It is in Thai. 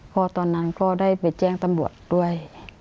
พอตอนนั้นก็ได้ไปแจ้งตำรวจด้วย